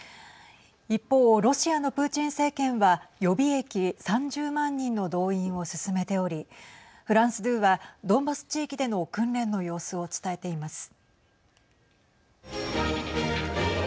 一方、ロシアのプーチン政権は予備役３０万人の動員を進めておりフランス２は、ドンバス地域での訓練の様子を伝えています。